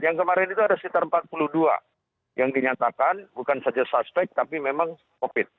yang kemarin itu ada sekitar empat puluh dua yang dinyatakan bukan saja suspek tapi memang covid